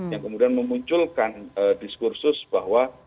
yang kemudian memunculkan diskursus bahwa